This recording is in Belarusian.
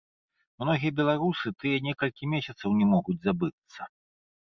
Многія беларусы тыя некалькі месяцаў не могуць забыцца.